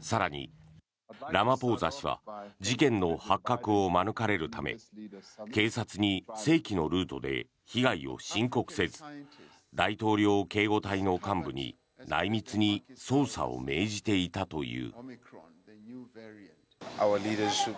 更に、ラマポーザ氏は事件の発覚を免れるため警察に正規のルートで被害を申告せず大統領警護隊の幹部に内密に捜査を命じていたという。